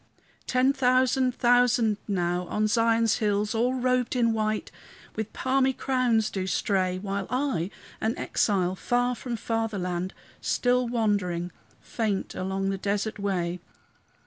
Ten thousand thousand now, on Zion's hills, All robed in white, with palmy crowns, do stray, While I, an exile, far from fatherland, Still wandering, faint along the desert way.